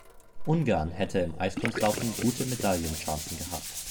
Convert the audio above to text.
Ungarn hätte im Eiskunstlaufen gute Medaillen-Chancen gehabt.